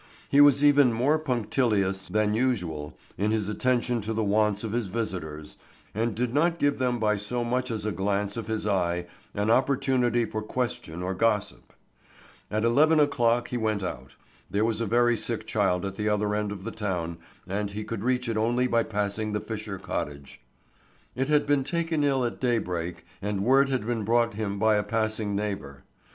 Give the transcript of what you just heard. He was even more punctilious than usual in his attention to the wants of his visitors, and did not give them by so much as a glance of his eye an opportunity for question or gossip. At eleven o'clock he went out. There was a very sick child at the other end of the town and he could reach it only by passing the Fisher cottage. It had been taken ill at daybreak and word had been brought him by a passing neighbor.